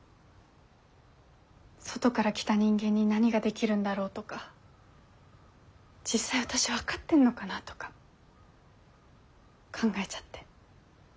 外から来た人間に何ができるんだろうとか実際私分かってんのかなとか考えちゃって。